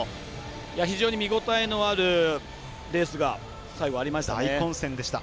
非常に見応えのあるレースが大混戦でした。